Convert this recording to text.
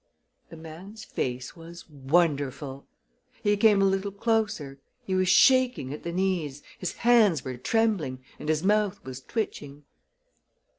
The man's face was wonderful! He came a little closer. He was shaking at the knees, his hands were trembling, and his mouth was twitching.